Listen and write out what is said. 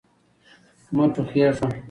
مه ټوخیژه